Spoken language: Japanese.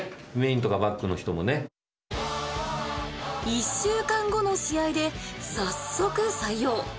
１週間後の試合で早速採用！